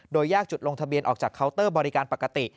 โดยแยกจุดลงทะเบียนออกจากเคาน์เตอร์บริการปกติ